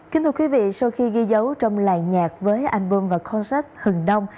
kính thưa quý vị sau khi ghi dấu trong làn nhạc với album và concert hừng đông